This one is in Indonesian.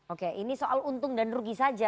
oke ini soal untung dan rugi saja